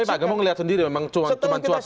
tapi pak kamu ngeliat sendiri memang cuma cuap cuap aja